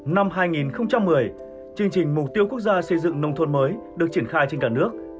năm hai nghìn một mươi chương trình mục tiêu quốc gia xây dựng nông thôn mới được triển khai trên cả nước